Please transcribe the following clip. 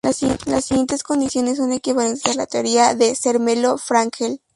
Las siguientes condiciones son equivalentes en la teoría de Zermelo-Fraenkel.